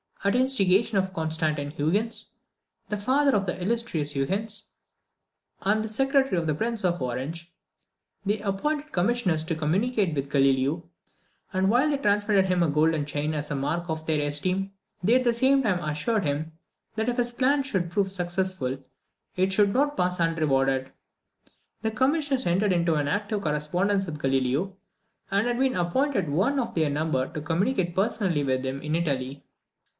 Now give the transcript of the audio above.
At the instigation of Constantine Huygens, the father of the illustrious Huygens, and the secretary to the Prince of Orange, they appointed commissioners to communicate with Galileo; and while they transmitted him a gold chain as a mark of their esteem, they at the same time assured him, that if his plan should prove successful it should not pass unrewarded. The commissioners entered into an active correspondence with Galileo, and had even appointed one of their number to communicate personally with him in Italy.